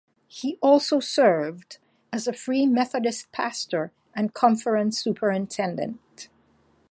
He also served as a Free Methodist pastor and conference superintendent.